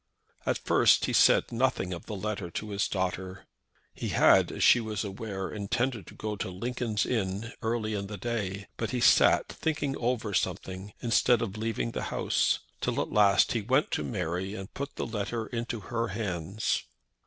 At first he said nothing of the letter to his daughter. He had, as she was aware, intended to go to Lincoln's Inn early in the day, but he sat thinking over something, instead of leaving the house, till at last he went to Mary and put the letter into her hands.